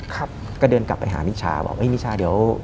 ก็เดินกลับไปหามิชาบอกว่าเฮ้ยมิชาเดี๋ยว